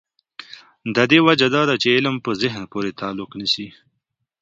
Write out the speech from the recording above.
د دې وجه دا ده چې علم په ذهن پورې تعلق نیسي.